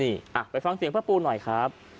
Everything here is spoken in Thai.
นี่ไปฟังเสียงพระปูหน่อยครับ